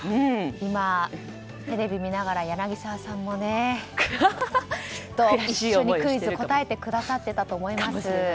今、テレビを見ながら柳澤さんもね一緒にクイズ答えてくださってたと思います。